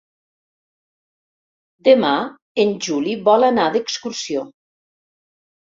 Demà en Juli vol anar d'excursió.